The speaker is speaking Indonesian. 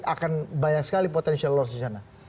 akan banyak sekali potensial loss di sana